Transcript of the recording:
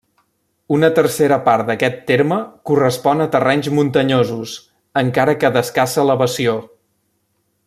Una tercera part d'aquest terme correspon a terrenys muntanyosos, encara que d'escassa elevació.